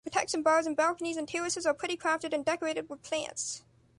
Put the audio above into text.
The protection bars in balconies and terraces are pretty crafted and decorated with plants.